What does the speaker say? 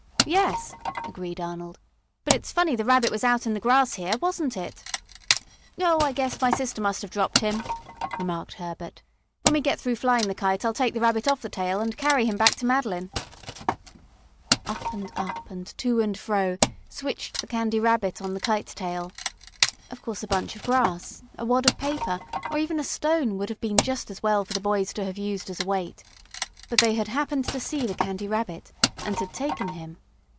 "Yes," agreed Arnold. "But it's funny the Rabbit was out in the grass here, wasn't it?" "Oh, I guess my sister must have dropped him," remarked Herbert. "When we get through flying the kite I'll take the Rabbit off the tail and carry him back to Madeline." Up and up, and to and fro, switched the Candy Rabbit on the kite tail. Of course a bunch of grass, a wad of paper, or even a stone would have been just as well for the boys to have used as a weight. But they had happened to see the Candy Rabbit, and had taken him.